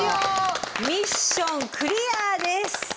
ミッションクリアです。